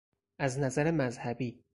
از نظر مذهبی